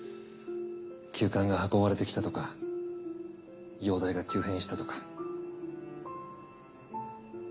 急患が運ばれてきたとか容態が急変したとか。